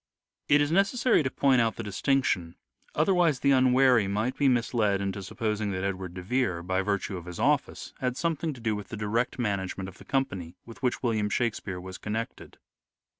It is necessary to point out the distinction, otherwise the unwary might be misled into supposing that Edward de Vere, by virtue of his office, had something to do with the direct management of the company with which William Shakspere was connected.